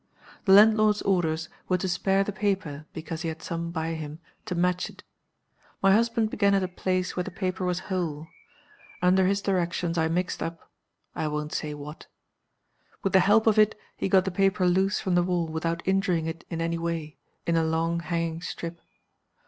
The landlord's orders were to spare the paper, because he had some by him to match it. My husband began at a place where the paper was whole. Under his directions I mixed up I won't say what. With the help of it he got the paper loose from the wall, without injuring it in any way, in a long hanging strip.